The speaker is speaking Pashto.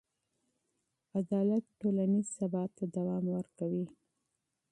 عدالت ټولنیز ثبات ته دوام ورکوي.